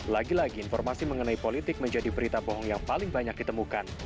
lagi lagi informasi mengenai politik menjadi berita bohong yang paling banyak ditemukan